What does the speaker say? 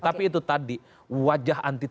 tapi itu tadi wajah